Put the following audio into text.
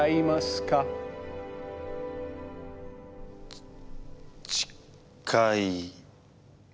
ちちかい。